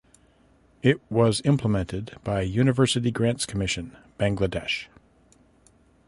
It was implemented by University Grants Commission (Bangladesh).